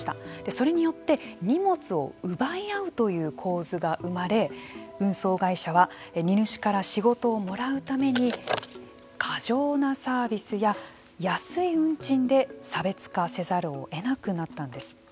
それによって荷物を奪い合うという構図が生まれ運送会社は荷主から仕事をもらうために過剰なサービスや安い運賃で差別化せざるをえなくなったんです。